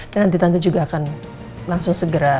dan nanti tante juga akan langsung segera